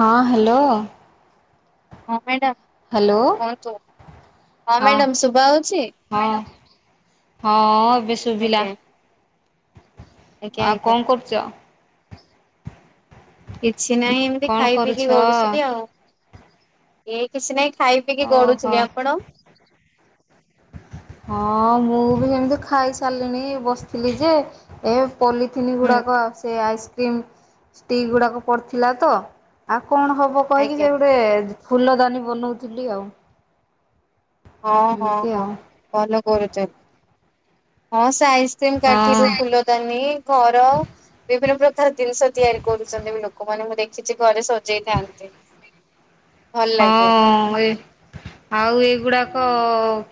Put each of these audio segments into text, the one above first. ହଁ ହ୍ୟାଲୋ! ହଁ madam. Hello କୁହନ୍ତୁ ହଁ ମ୍ୟାଡାମ ଶୁଭା ହଉଛି? ହଁ ହଁ ଏବେ ଶୁଭିଲା, ଆଜ୍ଞା ଆଜ୍ଞା ଆଉ ଆଜ୍ଞା। କଣ କରୁଛ? କିଛି ନାହିଁ ଏମିତି କଣ ଖାଇ ପିଇକି କରୁଛ? ଗଡୁଥିଲି ଆଉ ଏଇ କିଛି ନାହିଁ ଖାଇ ପିଇକି ଓହୋ ଗଢୁଥିଲେ ଆପଣ? ହଁ ମୁଁ ବି ସେମିତି ଖାଇସାରିଲିଣି ବସିଥିଲି ଯେ ଏ ପଲିଥିନ୍ ହୁଁ ଗୁଡ଼ାକ ସେ ଆଇସ୍କ୍ରିମ୍ ଷ୍ଟିକ୍ ଗୁଡ଼ାକ ପଡ଼ିଥିଲା ତ ଆଉ କଣ ହବ କହିକି ଆଜ୍ଞା ସେ ଗୋଟେ ଫୁଲ ଦାନୀ ବନଉଥିଲି ଆଉ। ହଁ ହଁ ଏମିତି ହଁ ଆଉ। ଭଲ କରୁଛନ୍ତି ହଁ। ଆଇସ୍କ୍ରିମ କାଠିରୁ ହଁ ଫୁଲଦାନି ଘର ବିଭିନ୍ନ ପ୍ରକାର ଜିନିଷ ତିଆରି କରୁଛନ୍ତି ବି ଲୋକମାନେ ମୁଁ ଦେଖିଛି ଘରେ ସଜେଇଥାନ୍ତି ଭଲ ଲାଗେ ହଁ ଏ ଆଉ ଏ ସେଗୁଡ଼ାକ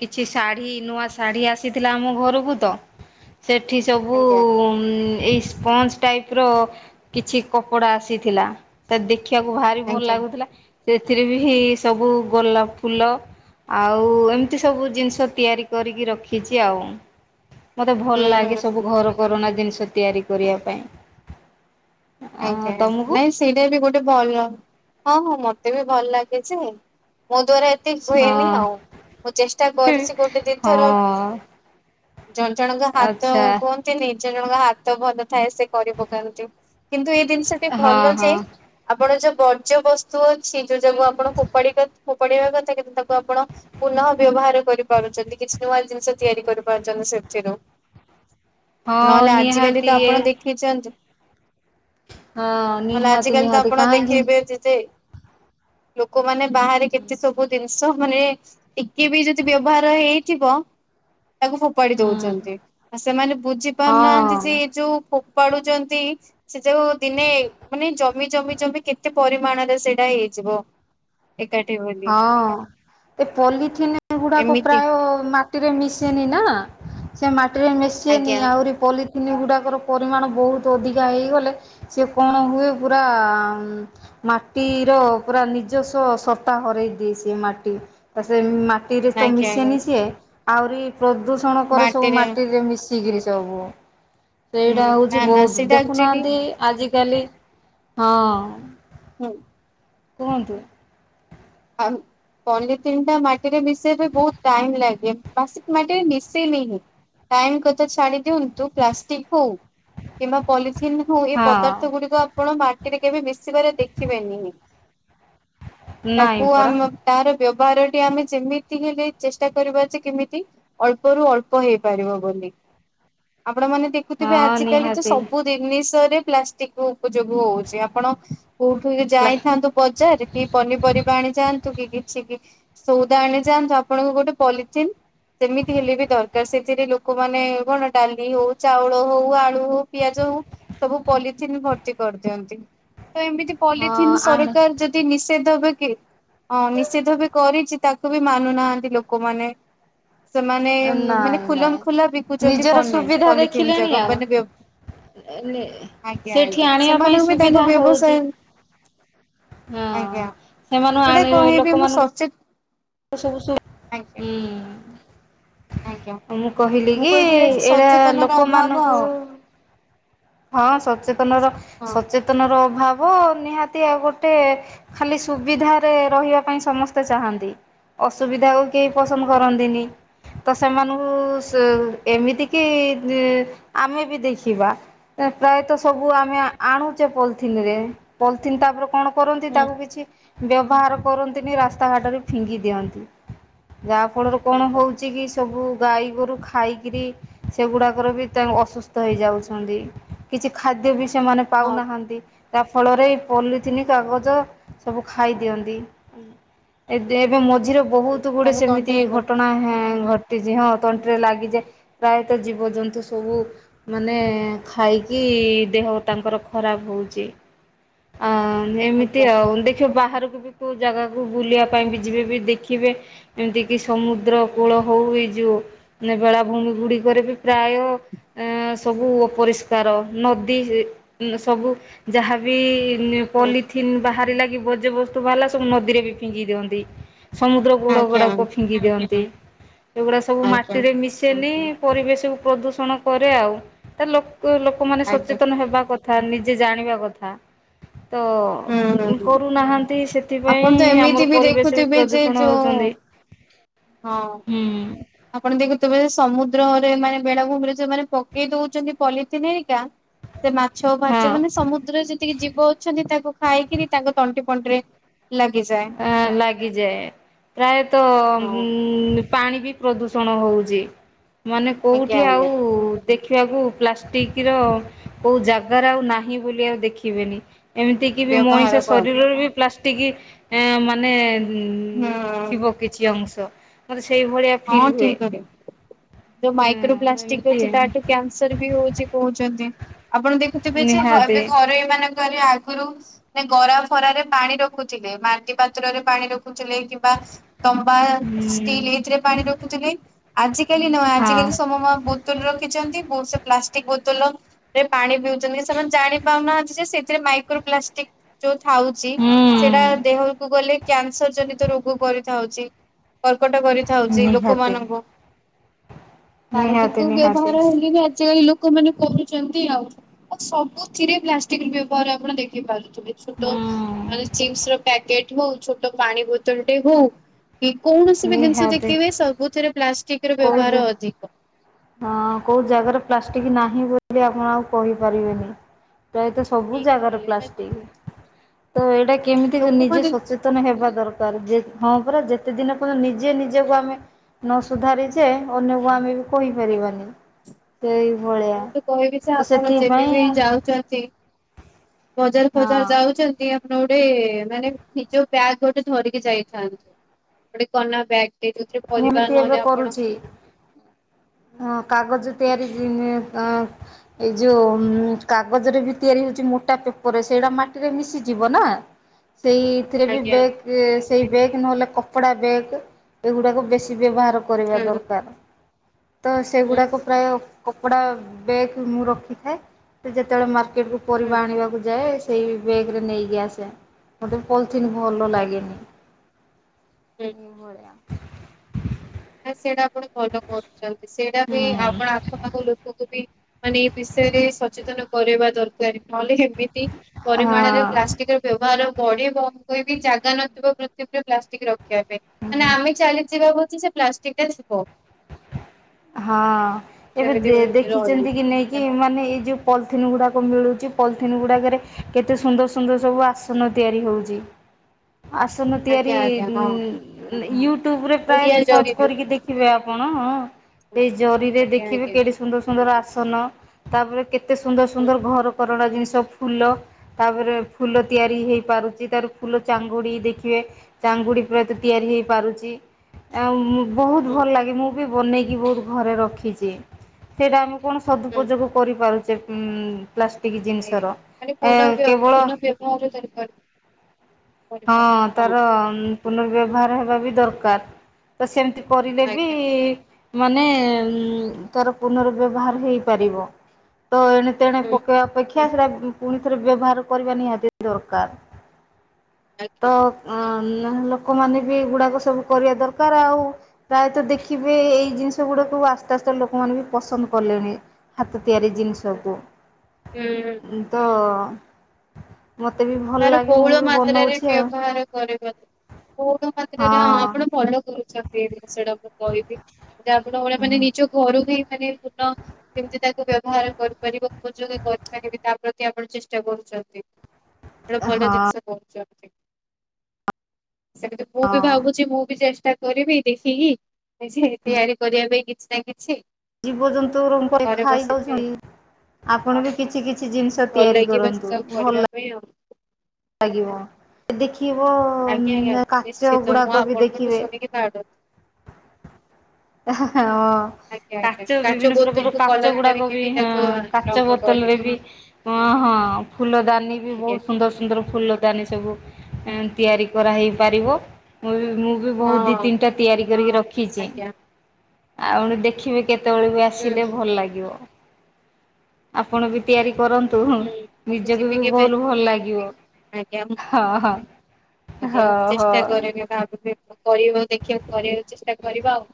କିଛି ଶାଢ଼ୀ ନୂଆ ଶାଢ଼ୀ ଆସିଥିଲା ଆମ ଘରକୁ ତ ସେଠି ସବୁ ଆଜ୍ଞା ଏଇ ସ୍ପଞ୍ଜ ଟାଇପ ର କିଛି କପଡା ଆସିଥିଲା ତା ଦେଖ ଦେଖିବାକୁ ଭାରି ଭଲ ଆଜ୍ଞା ଲାଗୁଥିଲା ସେଥିରେ ବି ସବୁ ଗୋଲାପ ଫୁଲ ଆଉ ଏମିତି ସବୁ ଜିନିଷ ତିଆରି କରିକି ରଖିଛି ଆଉ। ମତେ ଭଲ ହୁଁ ହୁଁ ଲାଗେ ହୁଁ। ସବୁ ଘର କରଣା ଜିନିଷ ତିଆରି କରିବା ପାଇଁ। ଅ ଆଜ୍ଞା ତମକୁ ନାଇଁ ସେଇଟା ବି ଗୋଟେ ଭଲ ହଁ ହଁ ମତେ ବି ଭଲ ଲାଗେ ଯେ ମୋ ଦ୍ଵାରା ଠିକ ହୁଏନି ଆଉ ହଁ ମୁଁ ଚେଷ୍ଟା କରିଚି ଗୋଟେ ହଁ ଦିଇଥର ଜ ଜଣଙ୍କ ହାତ ଆଚ୍ଛା କୁହନ୍ତି ନିିଜ ଜଣଙ୍କ ହାତ ଭଲ ଥାଏ ସେ କରି ପକାନ୍ତି। କିନ୍ତୁ ଏଇ ଜିନିଷଟି ହଁ ଭଲ ହଁ ଯାଇ ଆପଣ ଯୋଉ ବର୍ଜ୍ୟ ବସ୍ତୁ ଅଛି ଯୋଉ ଯାକୁ ଆପଣ ଫୋପାଡିବା କଥା କିନ୍ତୁ ତାକୁ ଆପଣ ପୁନଃ ବ୍ୟ ବ୍ୟବହାର କରିପାରୁଛନ୍ତି କିଛି ନୂଆ ଜିନିଷ ତିଆରି କରିପାରୁଛନ୍ତି ସେଥିରୁ। ହଁ ନହେଲେ ଆଜିକାଲି ନିହାତି ତ ଆପଣ ଦେଖେଇଚ ହଁ ହେଲେ ଆଜି ନିହାତି କାଲି ତ ନିହାତି ଆପଣ କାହିଁକି ଦେଖେଇବେ ଯେଜେ ଲୋକମାନେ ବାହାରେ କେତେ ସବୁ ଦ ଚାଷ ମାନେ ଟିକେ ବି ଯଦି ବ୍ୟବହାର ହେଇଥିବ ତାକୁ ଫୋପାଡି ହୁଁ ଦୋଉଚନ୍ତି ଆଉ ସେମାନେ ବୁଝି ପାରୁନାହାନ୍ତି ଯେ ହଁ ଏଇ ଯୋଉ [unintelligible] ପଢୁଛନ୍ତି। ସେ ଯୋଉ ଦିନେ ମାନେ ଜମି ଜମି ଜମି କେତେ ପରିମାଣରେ ସେଇଟା ହେଇଯିବ। ଏକାଠି ବୋଲି। ହଁ ଏ ପଲିଥିନ୍ ଗୁଡାକ ଏମିତି ପ୍ରାୟ ମାଟିରେ ମିଶେନି। ନା ସେ ମାଟିରେ ମିଶନି ଆଜ୍ଞା ଆଉ ପଲ୍ କିିନ ଗୁଡାକର ପରିମାଣ ବୋହୁତ ଅଧିକା ହେଇଗଲେ ସେ କଣ ହୁଏ ପୁରା ମାଟିର ପୁରା ନିଜସ୍ୱ ସ ତା ହରେଇ ଦିଏ ସି ମାଟି ତା ସେ ମାଟିରେ ତ ଆଜ୍ଞା ଆଜ୍ଞା ମିଶେନି ସିଏ ଆହୁରି ପ୍ରଦୂଷଣ କରେ ସବୁ ମାଟିରେ ମିଶିକିରି ସବୁ ହୁଁ ସେଇଟା ନା ହୋଉଚି ନା ବୋହୁତ ସେଇଟା ଆକ୍ଚୁଆଲି ଦେଖୁନାହାନ୍ତି ଆଜିକାଲି ହଁ। ହୁଁ। କୁହନ୍ତୁ? ହ। ପଲିଥିନ୍ ଟା ମାଟିରେ ମିଶେଇ ବି ବହୁତ ଟାଇମ୍ ଲାଗେ ମାଟିରେ ମିଶେଇନିିଁ। ଟାଇମ କଥା ଛାଡ଼ି ଦିଅନ୍ତୁ ପ୍ଲାଷ୍ଟିକ ହଉ କିବା ପ ଏ ହଁ। ପଦାର୍ଥ ଗୁଡିକ ଆପଣ ମାଟିରେ କେବେ ମିଶିବାରେ ଦେଖିବେନି। ନାଇଁ ତାକୁ ପରା ଆମ ତାର ବ୍ୟବହାର ଟି ଆମେ ଯେମିତି ହେଲେ ଚେଷ୍ଟା କରିବା ଯେ କେମିତି ଅଳ୍ପରୁ ଅଳ୍ପ ହେଇପାରିବ ବୋଲି। ଆପଣ ମାନେ ଦେଖୁଥିବେ ହଁ ଆଜିକାଲି ତ ନିହାତି ସବୁ ଜିନିଷ ପ୍ଲାଷ୍ଟିକ ଉପଯୋଗ ହଉଚି ଆପଣ କୋଉଠୁ ପ୍ଲା ଯାଇଥାନ୍ତୁ ବଜାର କି ପନିପରିବା ଯାଆନ୍ତୁ କି କିଛି କି ସଉଦା ଆଣି ଯାଆନ୍ତୁ ଆପଣଙ୍କୁ ଗୋଟେ ପଲିଥିନ୍ ସେମିତି ହେଲେ ବି ଦରକାର ସେଥିରେ ଲୋକମାନେ କଣ ଡାଲି ହଉ ଚାଉଳ ହଉ ଆଳୁ ହଉ ପିଆଜ ସବୁ ପଲିଥିନ୍ ଭର୍ତ୍ତି କରିଦିଅନ୍ତି। ତ ଏମିତି ହଁ ପଲିଥିନ୍ ଆଣେ ସରକାର ଯଦି ନିଷେଧ ହବେ କି ହଁ ନିଷେଧ ବି କରିଚି ତାକୁ ବି ମାନୁନାହାନ୍ତି ଲୋକମାନେ ସେମାନେ ମାନେ ନାଇଁ ଖୁଲନ ନାଇଁ ଖୋଲା ବିକୁଚନ୍ତି ନିଜର ସୁବିଧା ପଲିଥିନ ଦେଖିଲେଣି ଯାକ ଆଉ ମାନେ ଆଜ୍ଞା ସେଠି ଆଜ୍ଞା ଆଣିବା ପାଇଁ ସେମାନଙ୍କୁ ବି ସୁବିଧା ତାଙ୍କ ବ୍ୟବସାୟ ହଉଛି ହଁ ଆଜ୍ଞା ସେମାନ ଏଇଟା ଆଣ କହିବି ମୁଁ ସଚେତ ଓସୁ ବସୁ ଆଜ୍ଞା ଆଜ୍ଞା ହୁଁ ମୁଁ କହିଲି ମୁଁ କି କହିବି ଯେ ଏଇଟା ସଚେତନର ଅଭାବ ଲୋକମାନଙ୍କୁ ଆଉ ହଁ ସଚେତନ ର ସଚେତନ ର ହଁ। ସଚେତନ ର ଭାବ ନିହାତି ଆଉ ଗୋଟେ ଖାଲି ସୁବିଧାରେ ରହିବା ପାଇଁ ସମସ୍ତେ ଚାହାନ୍ତି। ଅସୁବିଧାକୁ କେହି ପସନ୍ଦ ହୁଁ କରନ୍ତିନି। ତ ସେମାନଙ୍କୁ ଏମିତି କିି ଆମେ ବି ଦେଖିବା। ପ୍ରାୟତଃ ସବୁ ଆମେ ଆଣୁଚେ ପଲିଥିନରେ ପଲିଥିିନନ୍ ତାପରେ କଣ କରନ୍ତି ହୁଁ ତାକୁ କିଛି ବ୍ୟବହାର କରନ୍ତିନି ରାସ୍ତାଘାଟରେ ଫିଙ୍ଗି ଦିଅନ୍ତି। ଯାହା ଫଳରେ କଣ ଆଜ୍ଞା ହଉଛି କି ସବୁ ଗାଈ ଗୋରୁ ଖାଇକିରି ସେଗୁଡାକରେ ବି ତା ଅସୁସ୍ଥ ହୁଁ ହେଇଯାଉଛନ୍ତି। କିଛି ଖାଦ୍ୟ ବି ସେମାନେ ହଁ ପାଉନାହାନ୍ତି। ଯା ଫଳରେ ଏଇ ପଲିଥିନ୍ କାଗଜ ସବୁ ଖାଇଦିଅନ୍ତି। ଏବେ ଏବେ ମୋ ମଝିରେ ହୁଁ ବହୁତ ଗୁଡେ ତାଙ୍କ ସେମିତି ତଣ୍ଟିରେ ନେ ଘଟଣା ଘଟିଛି ହଁ ତଣ୍ଟିରେ ଲାଗିଯାଏ। ପ୍ରାୟତଃ ଜୀବଜନ୍ତୁ ସବୁ ମାନେ ଖାଇକି ଦେହ ତାଙ୍କର ଖରାପ ହଉଛି। ଆଁ ଏମିତି ଆଜ୍ଞା ଆଉ ଦେଖିବ ବାହାରକୁ କୋଉ ଜାଗାକୁ ବୁଲିବା ପାଇଁ ଯିବେ ବି ଦେଖିବେ ଏମିତି କି ସମୁଦ୍ର କୂଳ ହଉ ଏ ଯୋଉ ମାନେ ବେଳାଭୂମି ଗୁଡ଼ିକରେ ବି ପ୍ରାୟ ସବୁ ପରିଷ୍କାର ନଦୀ ସବୁ ଯାହାବି ହୁଁ ପଲିଥିନ୍ ବାହାରିଲା କି ବଜ୍ୟବସ୍ତୁ ବାହାରିଲା ସବୁ ନଦୀରେ ବି ଫିଙ୍ଗି ଦିଅନ୍ତି। ସମୁଦ୍ରକୂଳ ଆଜ୍ଞା ଗୁଡ଼ାକୁ ଫିଙ୍ଗି ଦିଅନ୍ତି, ଏଗୁଡ଼ାକ ସବୁ ଆଜ୍ଞା ମାଟିରେ ମିଶେନି। ପରିବେଶ କୁ ପ୍ରଦୂଷଣ କରେ ଆଉ, ତା ଲୋକ ଲୋକମାନେ ଆଜ୍ଞା ସଚେତନ ହେବା କ ଥା ନିଜେ ଜାଣିବା କଥା। ତ ହୁଁ ହୁଁ କରୁନାହାନ୍ତି, ଆପଣ ସେଥିପାଇଁ ତ ଏମିତି ଆମର ପରିବେଶ ବି ଦେଖୁଥିବେ ଯେ ପ୍ରଦୂଷଣ ଯୋଉ ହଉଛନ୍ତି। ହଁ ହୁଁ। ଆପଣ ଦେଖୁଥିବେ ସମୁଦ୍ରରେ ମାନେ ବେଳାଭୂମିରେ ଯୋଉମାନେ ପକେଇ ଦଉଛନ୍ତି ପଲିଥିନ୍ ହେରିକା। ସେ ମାଛ ହଁ ଫାଛ ମାନେ ସମୁଦ୍ରରେ ଯେତିକି ଜୀବ ଅଛନ୍ତି, ତାକୁ ଖାଇକିରି ତାଙ୍କ ତଣ୍ଟି ଣ୍ଟିରେ ଆ ଲାଗିଯାଏ ହଁ ପ୍ରାୟତଃ ପାଣି ବି ପ୍ରଦୂଷଣ ହଉଛି ମାନେ ଆଜ୍ଞା କୋଉଠି ଆଉ ଆଜ୍ଞା ଦେଖିବାକୁ ପ୍ଲାଷ୍ଟିକ ର କୋଉ ଜାଗାରେ ଆଉ ନାହିଁ ବୋଲି ଆଉ ଦେଖିବେନି। ଏମିତିକି ବି ମଣିଷ ବ୍ୟବହାର କର ଶରୀରରୁ ବି ପ୍ଲାଷ୍ଟିକ୍ ଏଁ ମାନେ। ଉ ହୁଁ ଥିବ କିଛି ଅଂଶ ମତେ ସେଇଭଳିଆ ଫିଲ୍ ହଁ ହୁଏ। ଠିକ ଅଛି। ଯୋଉ ହଁ ମାଇକ୍ରୋପ୍ଲାଷ୍ଟିକ ଏମିତି ଅଛି ତାଠୁ କ୍ୟାନସର ବି ହଉଛି କହୁଛନ୍ତି। ଆପଣ ଦେଖୁଥିବେ ଯେ, ଏବେ ନିହାତି। ଘରୋଇ ମାନେ ଲୋକମାନେ ଆଗରୁ ମାନେ ଗରା ଫରାରେ ପାଣି ରଖୁଥିଲେ। ମାଟି ପାତ୍ରରେ ପାଣି ରଖ ଖୁଥିଲେ କିମ୍ବା ତମ୍ବା, ଷ୍ଟିଲ ଏଥିରେ ପାଣି ରଖୁଥିଲେ। ଆଜ କାଲି ନୁହେଁ ଆଜିକାଲି ହଁ ସମ୍ ବୋତଲ ରଖିଚନ୍ତି। ସେ ପ୍ଲାଷ୍ଟିକ ବୋତଲରେ ପାଣି ପିଉଛନ୍ତି, ସେମାନେ ଜାଣି ପାଉନାହାନ୍ତି ଯେ ସେଥିରେ ମାଇକ୍ରୋପ୍ଲାଷ୍ଟିକ ଯୋଉ ଥାଉଛି ସେଟା ଦେହକୁ ଗଲେ କ୍ୟାନସର ଜନିତ ରୋଗ କରିଥାଉଛି କର୍କଟ କରିଥାଉଛି ନିହାତି ଲୋକମାନଙ୍କୁ। ତାର ନିହାତି କିନ୍ତୁ ନିହାତି ବ୍ୟବହାର ହେଲେ ବି ଆଜିକାଲି ଲୋ ଲୋକ ମାନେ କହୁଛନ୍ତି ଆଉ, ଆଉ ସବୁଥିରେ ପ୍ଲାଷ୍ଟିକ ବ୍ୟବହାର ଆପଣ ଦେଖିପାରୁ ଛୋଟ ମାନେ ଚିପ୍ସ ର ପ୍ୟାକେଟ ହଉ, ଛୋଟ ପାଣି ବୋତଲ ଟେ ହଉ। କି କୌଣସି ବି ଜିନିଷ ନିହାତି ଦେଖିବେ ସବୁଥିରେ ପ୍ଲାଷ୍ଟିକ ର କୋଉ ବ୍ୟବହାର ଅଧିକ। ହଁ କୋଉ ଜାଗାରେ ପ୍ଲାଷ୍ଟିକ ନାହିଁ ବୋଲି ଆପଣ ଆଉ କହିପାରିବେନି। ପ୍ରାୟତ ସବୁ ଠିକ ଜାଗାରେ କହିଲେ ମାନେ ପ୍ଲାଷ୍ଟିକ। ତ ଏଇଟା କେମିତି ନିଜେ ଲୋକମାନେ ସଚେତନ ହେବା ଦର ହଁ ପରା ଯେତେଦିନ ପର୍ଯ୍ୟନ୍ତ ନିଜେ ନିଜକୁ ଆମେ ନ ସୁୁଧାରି ଯେ ଅନ୍ୟକୁ ଆମେ ବି ଆଜ୍ଞା କହିପାରିବାନି। ସେଇଭଳିଆ ମୁଁ ତ କହିବି ଯେ ତ ଆପଣ ଯେବେ ବି ସେଥିପାଇଁ ଯାଉଛନ୍ତି ବଜାର ହଁ ଫଜାର ଯାଉଛନ୍ତି। ଆ ଗୋଟେ ମାନେ ନିଜ ବ୍ୟାଗ ଗୋଟେ ଧରିକି ଯାଇଥାନ୍ତୁ, ଗୋଟେ କନା ବ୍ୟାଗ୍। ମୁଁ ଏମତି ଏବେ କରୁଛି ହଁ କାଗଜ ତିଆରି ହଁ। ଏଇ ଯୋଉ କାଗଜରେ ବି ତିଆରି ହଉଚି ମୋଟା ପେପର ସେଇଟା ମାଟିରେ ମିଶିଯିବ ନା। ସେଇଥିରେ ବି ଆଜ୍ଞା ବ୍ୟାଗ୍ ସେଇ ବ୍ୟାଗ୍ ନହେଲେ କପଡ଼ା ବ୍ୟାଗ୍ ଏଗୁଡ଼ାକ ବେଶୀ ବ୍ୟବହାର କରିବା ହୁଁ। ଦରକାର ତ ହୁଁ, ସେଗୁଡ଼ାକ ପ୍ରାୟ କପଡ଼ା ବ୍ୟାଗ୍ ମୁଁ ରଖିଥାଏ ସେ ଯେତେବେଳେ ମାର୍କେଟକୁୁ ହୁଁ, ପରିବା ଆଣିବାକୁ ଯାଏ ସେଇ ବେଗ୍ ରେ ନେଇକି ଆସେ ମୋତେ ପଲିଥିନ୍ ଭଲ ଲାଗେନି। ଆଜ୍ଞା। ଏଇ ଭଳିଆ। ନା ସେଇଟା ଆପଣ ଭଲ କରୁଛନ୍ତି ସେଇଟା ବି ଆପଣ ହଁ ଆଖପାଖ ଲୋକଙ୍କୁ ବି ମାନେ ଏ ବିଷୟରେ ସଚେତନ କରାଇବା ଦରକାର। ନହେଲେ ଏମିତି ପରିମାଣରେ ହଁ ପ୍ଲାଷ୍ଟିକ ର ବ୍ୟବହାର ବଢିବ। ହୁଏ ବିି ଜାଗା ନଥିବ ପୃଥୀବିରେ ପ୍ଲାଷ୍ଟିକ ରଖିବା ପାଇଁ ମାନେ ଆମେ ଚାଲିଯିବା ପଛେ ସେ ପ୍ଲାଷ୍ଟିକ୍ ଟା ଥିବ ହଁ ଏବେ ସେମିତି ଦେ ରହି ଆଜ୍ଞା ଦେଖିଛନ୍ତି କି ନେଇକି ମାନେ ଏଇ ଯୋଉ ପଲ ପଲିଥିନ୍ ଗୁଡ଼ାକ ମିଳୁଚି ପଲିଥିନ୍ ଗୁଡାକରେ କେତେ ସୁନ୍ଦର ସୁନ୍ଦର ସବୁ ଆସନ ତିଆରି ହେଉଚି। [inaudible] ଆସନ ତିଆରି ଆଜ୍ଞା ୟୁ ହଁ ୟୁଟ୍ୟୁବରେ ପ୍ରାୟ ଓଡିଆ ବି ସର୍ଚ୍ଚ ଜରି କରିକି ଦେଖିବେ ଆପଣ ଅ ସେଇ ଜରିରେ ଆଜ୍ଞା ଦେଖିବେ ଆଜ୍ଞା କେଡ଼େ ସୁନ୍ଦର ସୁନ୍ଦର ଆସନ ତାପରେ କେତେ ସୁନ୍ଦର ହୁଁ ସୁନ୍ଦର ଘର କର କରଣା ଜିନିଷ ଫୁଲ ତାପରେ ଫୁଲ ତିଆରି ହେଇପାରୁଚି ତାରେ ଫୁଲ ଚାଙ୍ଗୁଡ଼ି ଦେଖିବେ। ଚାଙ୍ଗୁଡ଼ି ପ୍ରାୟତ ତିଆରି ହେଇ ପାରୁଚି ଆଉ ମୁଁ ବହୁତ ହୁଁ ଭଲ ଲାଗେ ମୁଁ ବି ବନେଇକି ବହୁତ ଘରେ ରଖିଚି ସେଇଟା ଆମ କଣ ହୁଁ ସବୁପଯୋଗ କରିପାରୁଚେ ଉଁ ପ୍ଲାଷ୍ଟିକ୍ ଆଜ୍ଞା। ଜିନିଷର ମାନେ ପୁନଃ ଆଁ ବ୍ୟ- କେବଳ ପୁନଃ ବ୍ୟବହାର କରିପାର ହଁ ତାର ପୁନର୍ବ୍ୟବହାର ହେବା ବି ଦରକାର ତ ସେମିତି କରିଲେ ବି ମାନେ ଉଁ ତାର ପୁନର୍ବ୍ୟବହାର ହେଇପାରିବ। ତ ଏଣେ ତେଣେ ହୁଁ ପକେଇବା ଅପେକ୍ଷା ସେରା ପୁଣି ଥରେ ବ୍ୟବହାର କରିବା ନିହାତି ଦରକାର। ତ ଆଜ୍ଞା। ଅଁ ନହେଲେ ଲୋକମାନେ ବି ଏଗୁଡ଼ାକ ସବୁ କରିବା ଦରକାର ଆଉ ପ୍ରାୟତଃ ଦେଖିବେ ଏଇ ଜିନିଷ ଗୁଡ଼ା କ ଆସ୍ତେ ଆସ୍ତେ ଲୋକମାନେ ବି ପସନ୍ଦ କଲେଣି ହାତ ତିଆରି ଜିନିଷକୁ ହୁଁ ତ ମତେ ବି ଭଲ ଲାଗେ ମୁଁ ବି ଯାତ୍ରରେ ବନଉଛି ଆଉ ବ୍ୟବହାର କରିବାରୁ ବହୁତ ମାତ୍ରରେ ହଁ ଆପଣ ଭଲ କରୁଛନ୍ତି ସେଇଟା ମୁଁ କହିବି। ସେଟା ଆପଣ ଭଳିଆ ମାନେ ହଁ। ନିଜ ଘରକୁ ମାନେ ପୁନଃ କେମତି ତାକୁ ବ୍ୟବହାର କରିପାରିବ ଉପଯୋଗ କରିପାରିବେ ତା ପ୍ରତି ଆପଣ ଚେଷ୍ଟା କ କରୁଛନ୍ତି ଗୋଟେ ଭଲ ହଁ ଜିନିଷ କରୁଛନ୍ତି। ସେମିତି ମୁଁ ବି ହଁ ଭାବୁଛି ମୁଁ ବିି ଚେଷ୍ଟ ଟା କରିବି ଦେଖିକି କିଛି ତିଆରି କରିବା ପାଇଁ କିଛି ନା କିଛି ଜୀବଜନ୍ତୁ ର ଘରେ ଖାଇ ବସିକି ଦଉଛନ୍ତି। ଆପଣ ବି କିଛି କିଛି ଜିନିଷ ଭଲ ତିଆରି ଲାଗିବ ସେ କରନ୍ତୁ ସବୁ ଭଲ କରିବା ଲା ପାଇଁ ଆଉ। ଲାଗିବ ଦେଖି ଦେଖିବ ଆଜ୍ଞା ଆଜ୍ଞା ଉଁ କାଚ ନିଶ୍ଚିତ ମୁଁ ଗୁଡ଼ାକ ବି ଆପଣଙ୍କଠୁ ଦେଖିବେ। ଶୁଣିକି ତା ହା ହା ହଁ। ଆଜ୍ଞା ଆଜ୍ଞା କାଚ ବିଭିନ୍ନ ପ୍ରକାର ବୋତଲକୁୁ କାଚ କଲର ଗୁଡ଼ାକ କରିକି ବି ହଁ ତାକୁ କାଚ ରଙ୍ଗ କରି ବୋତଲରେ ବି ଅ ହଁ ଫୁଲଦାନୀ ବି ଆଜ୍ଞା ବହୁତ ସୁନ୍ଦର ସୁନ୍ଦର ଫୁଲ ଦାନି ସବୁ ତିଆରି କରାହେଇ ପାରିବ ମୁଁ ବି ମୁଁ ବି ବହୁତ ଦି ହଁ ତିନିଟା ତିଆରି କରିକି ରଖିଛି ଆଜ୍ଞା ଆଉ ଦେଖିବେ। କେତେବେଳେ ବି ହୁଁ ଆସିଲେ ହୁଁ ଭଲ ଲାଗିବ ଆପଣ ବି ତିଆରି କରନ୍ତୁ ହୁଁ ମୁଁ ନିଜକୁ ଯିବି ବି କେବେ ବହୁତ ଭଲ ଲାଗିବ ହଁ ହଁ। ହଁ ିବାକୁ ହଁ ଚେଷ୍ଟା ହଁ। କରିବି ଭ କରିବ ଦେଖିବାକୁ କରିବାକୁ ଚେଷ୍ଟା କରିବା ଆଉ।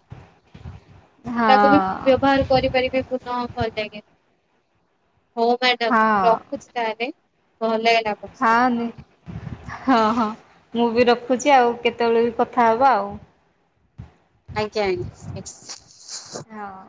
ତାକୁ ବି ବ୍ୟବହାର କରିପାରିବେ ପୁଣଃ ଭଲ ଲାଗେ ହଉ ହଁ ମ୍ୟାଡାମ ରଖୁଛି ତାହଲେ ନହେଲେ ହଁ ନ ହଁ ହଁ। ମୁଁ ବି ରଖୁଛି ଆଉ କେତେବେଳେ ବି କଥା ହବା ଆଉ। ଆଜ୍ଞା ଆଜ୍ଞା ହଁ।